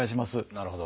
なるほど。